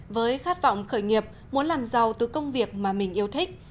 với khát vọng khởi nghiệp muốn làm giàu từ công việc mà mình yêu thích